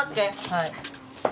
はい。